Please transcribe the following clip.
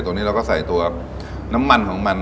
ตัวนี้เราก็ใส่ตัวน้ำมันของมัน